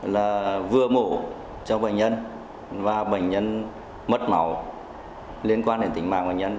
là vừa mổ cho bệnh nhân và bệnh nhân mất máu liên quan đến tính mạng bệnh nhân